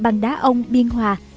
bằng đá ông biên hòa